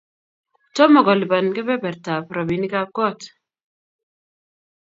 Tomokoliban kebebertab robinikab kot